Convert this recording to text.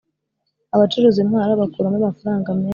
abacuruza intwaro bakuramo amafaranga menshi